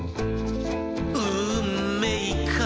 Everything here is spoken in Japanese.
「うんめいかい？」